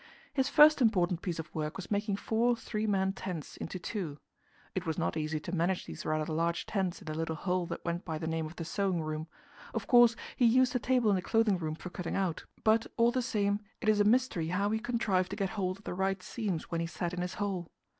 His first important piece of work was making four three man tents into two. It was not easy to manage these rather large tents in the little hole that went by the name of the sewing room; of course, he used the table in the Clothing Store for cutting out, but, all the same, it is a mystery how he contrived to get hold of the right seams when he sat in his hole.